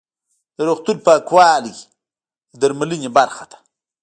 د روغتون پاکوالی د درملنې برخه ده.